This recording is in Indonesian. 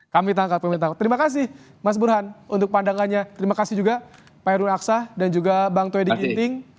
kami tangkap pemerintah terima kasih mas burhan untuk pandangannya terima kasih juga pak heru aksa dan juga bang toidi ginting